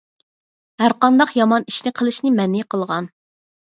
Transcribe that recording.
ھەر قانداق يامان ئىشنى قىلىشنى مەنئى قىلغان.